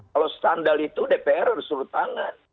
kalau skandal itu dpr harus suruh tangan